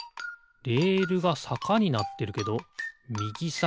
レールがさかになってるけどみぎさがり。